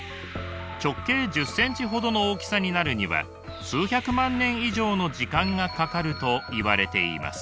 直径１０センチほどの大きさになるには数百万年以上の時間がかかるといわれています。